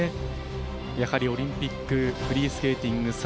やはり、オリンピックのフリースケーティング。